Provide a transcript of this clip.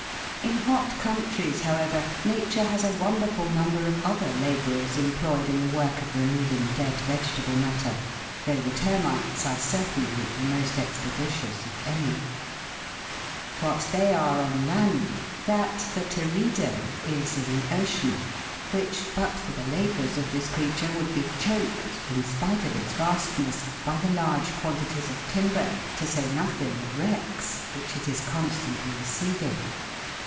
In hot countries, however, Nature has a wonderful number of other labourers employed in the work of removing dead vegetable matter, though the termites are certainly the most expeditious of any. What they are on land, that the Teredo (Fig. 40) is in the ocean, which, Fig. 40. THE SHIP but f or t h e labours of this creature, would WORM ( Teredo navaiis.} be choked, in spite of its vastness, by the Ir.r^e quantities of timber, to say nothing of wrecks, which WRECKS AND DRIFTWOOD. 201 it is constantly receiving.